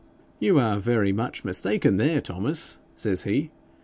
"You are very much mistaken there, Thomas," says he.